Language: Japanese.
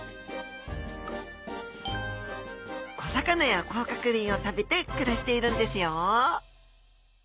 小魚や甲殻類を食べて暮らしているんですよ